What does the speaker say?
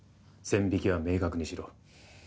線引きは明確にしろ。